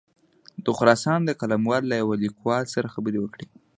د خراسان د قلموال له یوه لیکوال سره خبرې وکړې.